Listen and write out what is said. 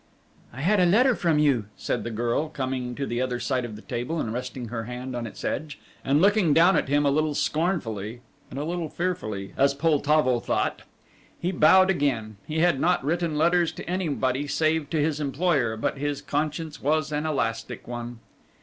"I had a letter from you," said the girl, coming to the other side of the table and resting her hand on its edge and looking down at him a little scornfully, and a little fearfully, as Poltavo thought. He bowed again. He had not written letters to anybody save to his employer, but his conscience was an elastic one.